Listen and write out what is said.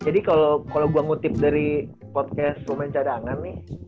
jadi kalau gue ngutip dari podcast rumah yang cadangan nih